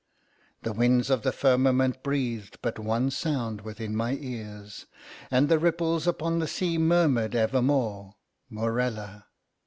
The winds of the firmament breathed but one sound within my ears, and the ripples upon the sea murmured evermore—Morella.